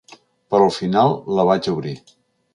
Però al final la vaig obrir.